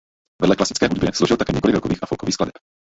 Vedle klasické hudbě složil také několik rockových a folkových skladeb.